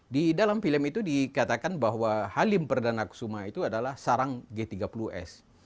di dalam film itu dikatakan bahwa halim perdana kusuma itu adalah sarang g tiga puluh s